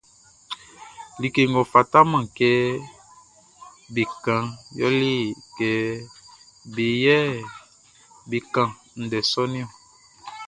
Like ngʼɔ fataman kɛ be kanʼn yɛle kɛ be yɛ be kan ndɛ sɔʼn niɔn.